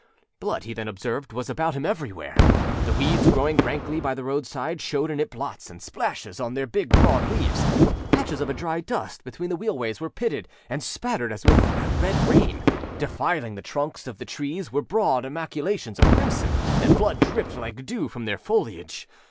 Blood, he then observed, was about him everywhere. The weeds growing rankly by the roadside showed it in blots and splashes on their big, broad leaves. Patches of dry dust between the wheelways were pitted and spattered as with a red rain. Defiling the trunks of the trees were broad maculations of crimson, and blood dripped like dew from their foliage.